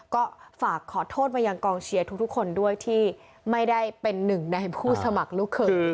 ก็ฝากขอโทษมายังกองเชียร์ทุกคนด้วยที่ไม่ได้เป็นหนึ่งในผู้สมัครลูกเขย